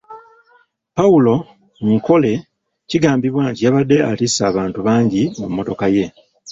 Paul Nkore kigambibwa nti yabadde atisse abantu bangi mu mmotoka ye.